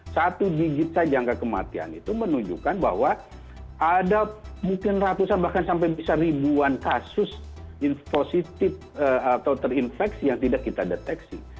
satu digit saja angka kematian itu menunjukkan bahwa ada mungkin ratusan bahkan sampai bisa ribuan kasus positif atau terinfeksi yang tidak kita deteksi